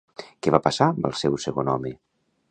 Què va passar amb el seu segon home?